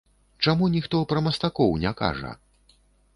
Чаму ніхто пра мастакоў не кажа?